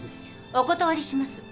お断りします。